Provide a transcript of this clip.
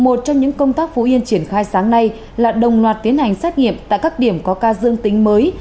một trong những công tác phú yên triển khai sáng nay là đồng loạt tiến hành xét nghiệm tại các điểm có ca dương tính mới